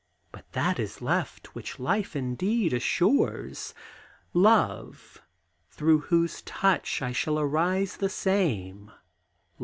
But that is left which life indeed assures Love, through whose touch I shall arise the same!